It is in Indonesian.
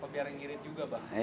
biar ngirit juga mbak